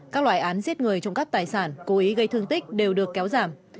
các loại án giết người trong các tài sản cố ý gây thương tích đều được kéo giảm